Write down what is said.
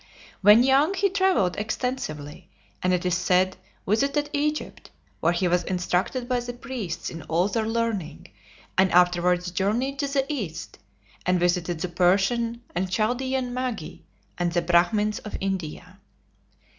When young he travelled extensively, and it is said visited Egypt, where he was instructed by the priests in all their learning, and afterwards journeyed to the East, and visited the Persian and Chaldean Magi, and the Brahmins of India.